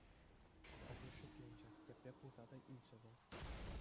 Пӗрре шикленчӗ, тепре кулса та илчӗ вӑл.